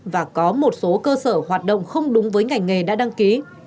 và có một số cơ sở hoạt động không đúng với ngành nghề đã đăng ký